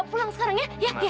pulang sekarang ya